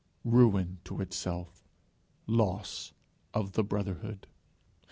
Ruin to itself; loss of the brotherhood.